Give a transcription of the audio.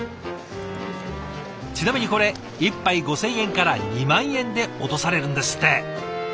ちなみにこれ１杯５千円から２万円で落とされるんですって。